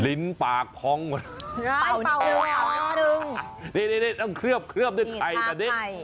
ลิ้นปากพองหมดนี่ต้องเคลือบเคลือบด้วยไข่แบบนี้